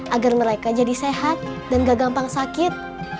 agar mereka jadi sehat dan gak gampang sakit